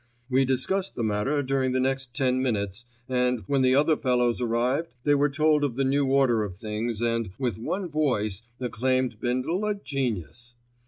We discussed the matter during the next ten minutes, and, when the other fellows arrived, they were told of the new order of things and, with one voice, acclaimed Bindle a genius.